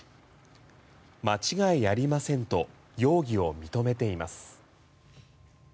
間違いありませんと容疑を認めています。